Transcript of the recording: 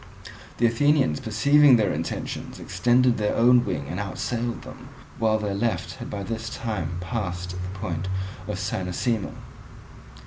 The Athenians perceiving their intention extended their own wing and outsailed them, while their left had by this time passed the point of Cynossema.